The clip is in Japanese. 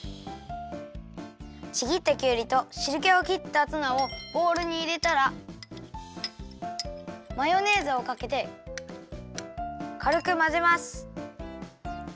ちぎったきゅうりとしるけをきったツナをボウルにいれたらマヨネーズをかけてかるくまぜます。